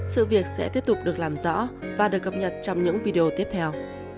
sự việc sẽ tiếp tục được làm rõ và được cập nhật trong những video tiếp theo